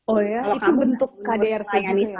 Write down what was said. oh ya itu bentuk kdrp